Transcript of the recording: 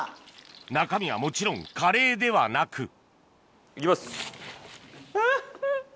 中身はもちろんカレーではなく行きますあっ！